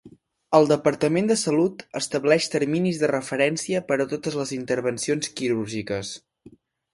El Departament de Salut estableix terminis de referència per a totes les intervencions quirúrgiques.